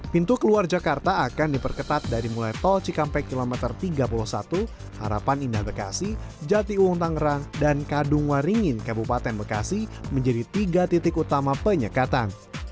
pintu keluar jakarta akan diperketat dari mulai tol cikampek kilometer tiga puluh satu harapan indah bekasi jati uung tangerang dan kadung waringin kabupaten bekasi menjadi tiga titik utama penyekatan